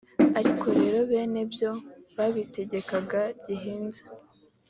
ariko rero bene byo babitegekaga gihinza